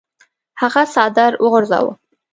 هغه څادر وغورځاوه.